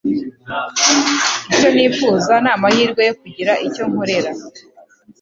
Icyo nifuza ni amahirwe yo kugira icyo nkorera